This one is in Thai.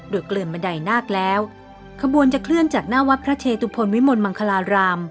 โดยเกลือนบันไดนาคแล้วขบวนจะเคลื่อนจากหน้าวัดพระเชตุพลวิมลมังคลาราม